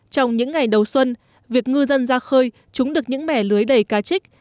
trong những ngày đầu xuân việc ngư dân ra khơi trúng được những mẻ lưới đầy cá trích